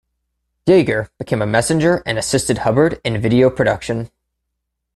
Yager became a messenger and assisted Hubbard in video production.